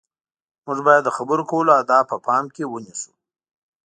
موږ باید د خبرو کولو اداب په پام کې ونیسو.